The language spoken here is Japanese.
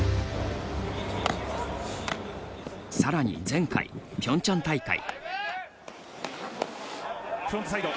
さらに前回ピョンチャン大会。